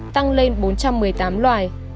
tăng lên bốn trăm một mươi tám loài